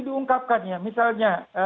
diungkapkan ya misalnya